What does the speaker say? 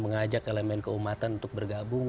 mengajak elemen keumatan untuk bergabung